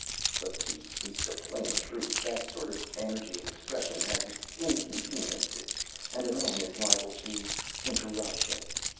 But, to speak the plain truth, that sort of energy of expression has its inconveniences, and a man is liable to interruption.